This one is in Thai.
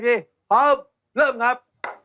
ขอขอบครรภ์